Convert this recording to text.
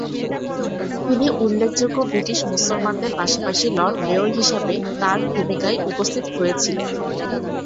তিনি উল্লেখযোগ্য ব্রিটিশ মুসলমানদের পাশাপাশি লর্ড মেয়র হিসাবে তাঁর ভূমিকায় উপস্থিত হয়েছিলেন।